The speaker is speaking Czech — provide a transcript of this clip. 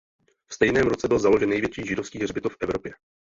V stejném roce byl založen největší židovský hřbitov v Evropě.